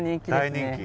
大人気？